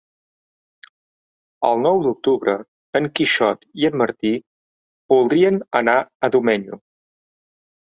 El nou d'octubre en Quixot i en Martí voldrien anar a Domenyo.